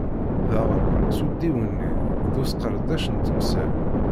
Daɣen, s udiwenni d usqerdec n temsal.